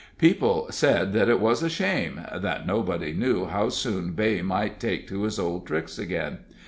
People said that it was a shame that nobody knew how soon Beigh might take to his old tricks again.